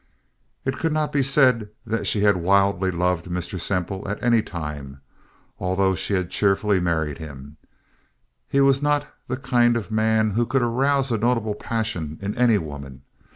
It could not be said that she had wildly loved Mr. Semple at any time. Although she had cheerfully married him, he was not the kind of man who could arouse a notable passion in any woman.